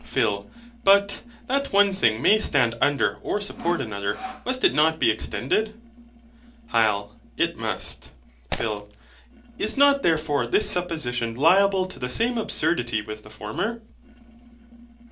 PHIL. But, that one thing may stand under or support another, must it not be extended? HYL. It must. PHIL. Is not therefore this supposition liable to the same absurdity with the former?